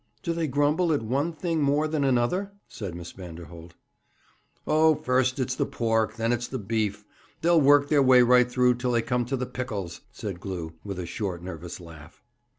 'Do they grumble at one thing more than another?' said Miss Vanderholt. 'Oh, first it's the pork, then it's the beef; they'll work their way right through till they come to the pickles,' said Glew, with a short, nervous laugh.